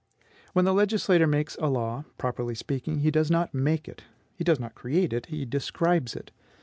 When the legislator makes a law, properly speaking he does not MAKE it, he does not CREATE it: he DESCRIBES it.